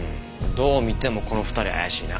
どう見てもこの２人怪しいな。